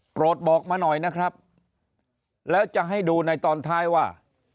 บอกมาหน่อยนะครับแล้วจะให้ดูในตอนท้ายว่า